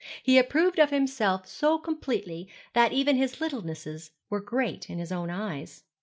He approved of himself so completely that even his littlenesses were great in his own eyes.